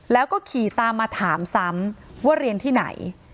แล้วก็ขี่ตามมาถามซ้ำว่าเรียนที่ไหน